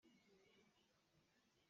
Tilu nih lam a khuarh dih.